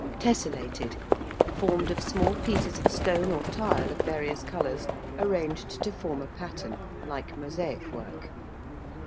~Tesselated~: formed of small pieces of stone or tile of various colours arranged to form a pattern, like mosaic work.